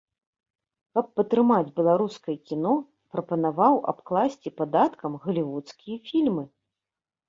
Каб падтрымаць беларускае кіно прапанаваў абкласці падаткам галівудскія фільмы.